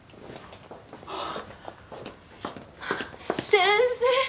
先生。